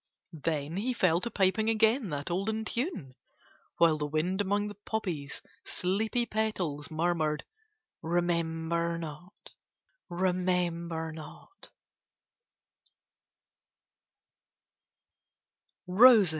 Then he fell to piping again that olden tune, while the wind among the poppy's sleepy petals murmured "Remember not. Remember not."